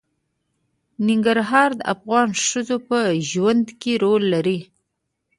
ننګرهار د افغان ښځو په ژوند کې رول لري.